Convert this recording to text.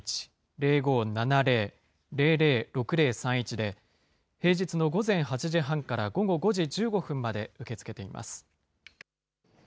０５７０ー００６０３１で、平日の午前８時半から午後５時１５分まで受け付けています。